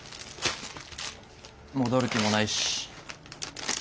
戻る気もないし。